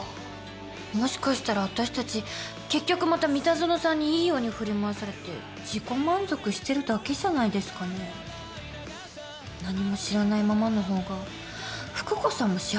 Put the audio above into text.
もしかしたら私たち結局また三田園さんにいいように振り回されて自己満足してるだけじゃないですかね。何も知らないままのほうが福子さんも幸せだったのかも。